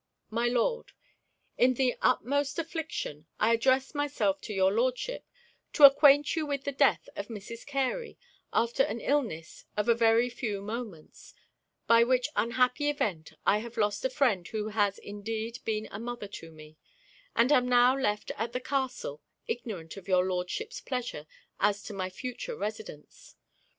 'My Lord, 'In the utmost affliction, I address myself to your Lordship, to acquaint you with the death of Mrs. Carey, after an illness of a very few moments: by which unhappy event I have lost a friend who has indeed been a mother to me; and am now left at the castle, ignorant of your Lordship's pleasure as to my future residence.